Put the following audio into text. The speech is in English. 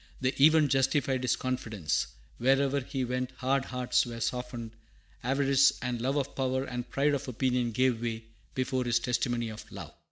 The event justified his confidence; wherever he went hard hearts were softened, avarice and love of power and pride of opinion gave way before his testimony of love.